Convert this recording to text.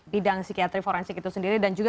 bidang psikiatri forensik itu sendiri dan juga